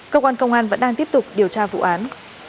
cơ quan công an vẫn đang tiếp tục điều tra vụ án